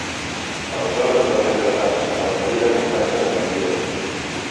Aleshores va prendre part a la fallida campanya de Caldiero.